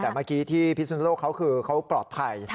แต่เมื่อกี้ที่พีชสุนโรเค้าคือเค้าก็ปลอดภัย